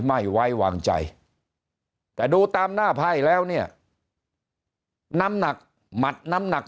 ไม่ไว้วางใจแต่ดูตามหน้าไพ่แล้วเนี่ยน้ำหนักหมัดน้ำหนัก